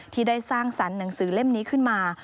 ที่ได้สร้างสรรค์หนังสือเล่มนี้ขึ้นมา